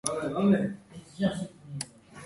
ოლაფის ორდენით „კულტურაში შეტანილი წვლილისთვის“.